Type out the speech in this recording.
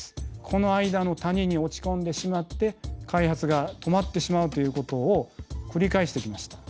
この間の谷に落ち込んでしまって開発が止まってしまうということを繰り返してきました。